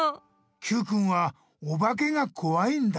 Ｑくんはおばけがこわいんだ。